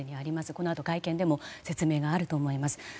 このあと会見でも説明があると思います。